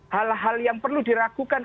hal hal yang perlu diragukan